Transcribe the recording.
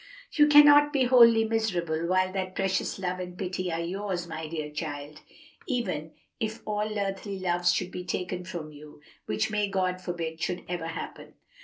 '" "You cannot be wholly miserable while that precious love and pity are yours, my dear child, even if all earthly loves should be taken from you, which may God forbid should ever happen."